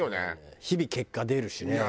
日々結果出るしね。